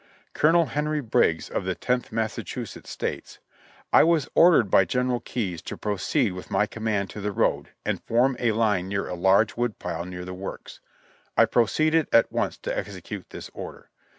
Colonel Henry Briggs. of the Tenth Massachusetts, states : "I was ordered by General Keyes to pro ceed with my command to the road, and form a line near a large wood pile near the works. I proceeded at once to execute this order.